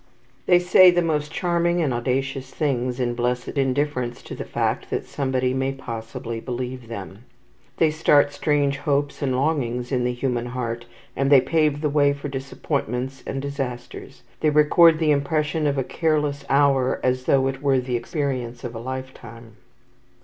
They say the most charming and audacious things, in blessed indifference to the fact that somebody may possibly believe them. They start strange hopes and longings in the human heart, and they pave the way for disappointments and disasters. They record the impression of a careless hour as though it were the experience of a lifetime.